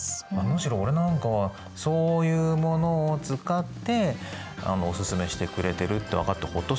むしろ俺なんかはそういうものを使っておすすめしてくれてるって分かってほっとするよね。